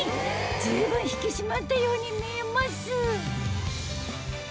随分引き締まったように見えます